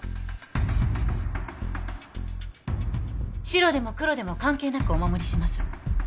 シロでもクロでも関係なくお守りします。